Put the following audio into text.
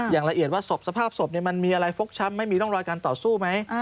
อย่างละเอียดว่าศพสภาพศพมันมีอะไรฟกช้ำไม่มีร่องรอยการต่อสู้ไหม